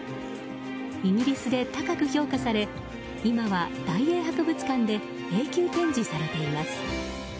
イギリスで高く評価され今は大英博物館で永久展示されています。